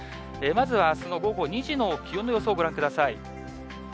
まずは、あすの午後２時の気温の予想をご覧ください。